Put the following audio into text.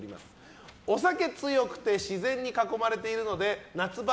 お酒強くて自然に囲まれているので夏場